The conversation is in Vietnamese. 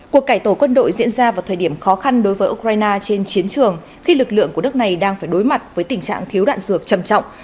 cuộc cải tổ quân đội diễn ra vào thời điểm khó khăn đối với ukraine trên chiến trường khi lực lượng của đất này đang phải đối mặt với tình trạng thiếu đạn dược trầm trọng